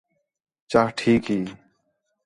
چاہ ٹھیک ہی